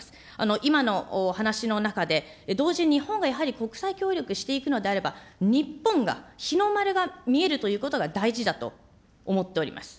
今の話の中で、同時に日本がやはり国際協力していくのであれば、日本が、日の丸が見えるということが大事だと思っております。